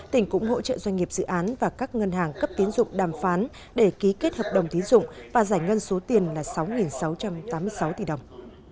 tỉnh cũng hỗ trợ doanh nghiệp dự án và các ngân hàng cấp tiến dụng đàm phán để ký kết hợp đồng tiến dụng và giải ngân số tiền là sáu sáu trăm tám mươi sáu tỷ đồng